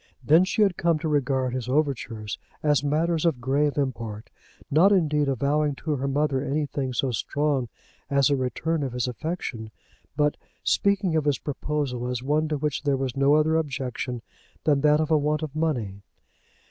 Then she had come to regard his overtures as matters of grave import, not indeed avowing to her mother anything so strong as a return of his affection, but speaking of his proposal as one to which there was no other objection than that of a want of money.